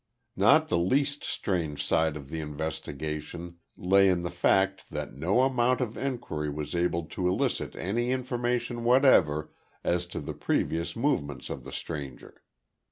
Not the least strange side of the investigation lay in the fact that no amount of enquiry was able to elicit any information whatever as to the previous movements of the stranger.